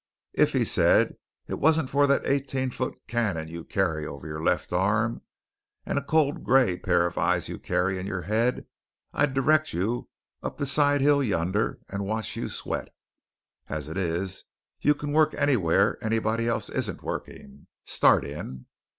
"If," said he, "it wasn't for that eighteen foot cannon you carry over your left arm, and a cold gray pair of eyes you carry in your head, I'd direct you up the sidehill yonder, and watch you sweat. As it is, you can work anywhere anybody else isn't working. Start in!"